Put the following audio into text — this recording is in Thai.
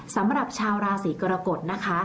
สำหรับชาวราศีกรกฎนะคะ